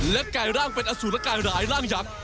และกายร่างเป็นอสุรกายร้ายร่างยักษ์